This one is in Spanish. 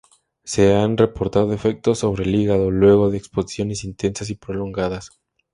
Se han reportado efectos sobre el hígado luego de exposiciones intensas y prolongadas.